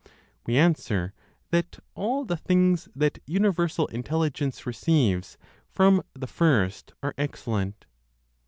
We answer that all the things that universal Intelligence receives from the First are excellent.